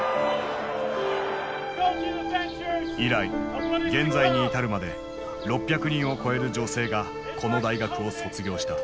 以来現在に至るまで６００人を超える女性がこの大学を卒業した。